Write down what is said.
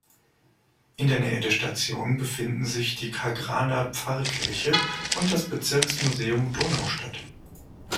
In der Nähe der Station befinden sich die Kagraner Pfarrkirche und das Bezirksmuseum Donaustadt.